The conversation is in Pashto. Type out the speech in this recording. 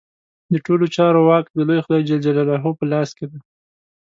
د ټولو چارو واک د لوی خدای جل جلاله په لاس کې دی.